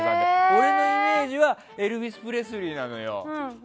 俺のイメージはエルヴィス・プレスリーなのよ。